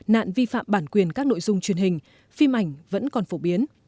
nạn vi phạm bản quyền các nội dung truyền hình phim ảnh vẫn còn phổ biến